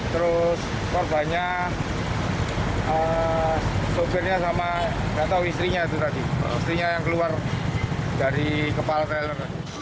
terus korbannya sopirnya sama istrinya yang keluar dari kepal trailer